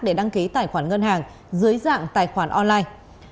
để đăng ký tài khoản ngân hàng dưới dạng tài khoản online